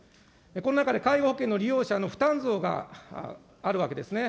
この中で、介護保険の利用者の負担増があるわけですね。